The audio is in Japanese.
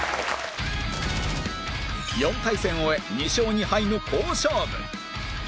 ４対戦を終え２勝２敗の好勝負